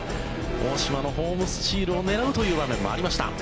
大島のホームスチールを狙うという場面もありました。